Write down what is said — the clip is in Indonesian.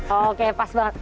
oke pas banget